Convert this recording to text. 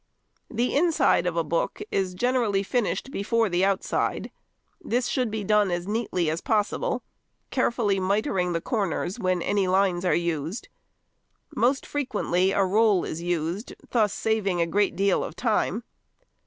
The inside of a book is generally finished before the outside. This should be done as neatly as possible, carefully mitreing the corners when any lines are used. Most frequently a roll is used, thus saving a great deal of time.